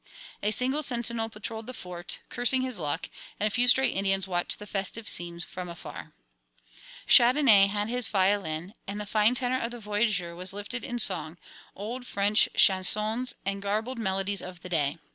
A single sentinel patrolled the Fort, cursing his luck, and a few stray Indians watched the festive scene from afar. Chandonnais had his violin, and the fine tenor of the voyageur was lifted in song old French chansons and garbled melodies of the day.